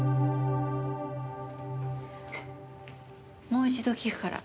もう一度聞くから。